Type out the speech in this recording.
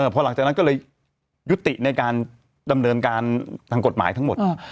พอหลังจากนั้นก็เลยยุติในการดำเนินการทางกฎหมายทั้งหมด